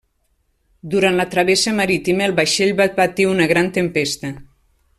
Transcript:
Durant la travessa marítima el vaixell va patir una gran tempesta.